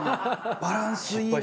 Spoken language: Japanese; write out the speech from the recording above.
バランスいいわ！